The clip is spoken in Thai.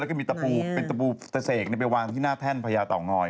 แล้วมีตกลูกตะเสกได้ไปวางที่หน้าแท่นพระยาเต่างอย